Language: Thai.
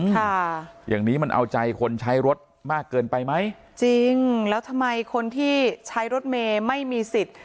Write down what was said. ค่ะอย่างนี้มันเอาใจคนใช้รถมากเกินไปไหมจริงแล้วทำไมคนที่ใช้รถเมย์ไม่มีสิทธิ์